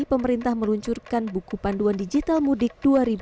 pemerintah meluncurkan buku panduan digital mudik dua ribu dua puluh